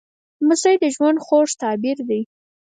لمسی د ژوند خوږ تعبیر دی.